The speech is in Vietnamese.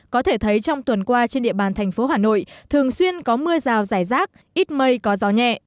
có thể thấy trong tuần qua trên địa bàn thành phố hà nội thường xuyên có mưa rào rải rác ít mây có gió nhẹ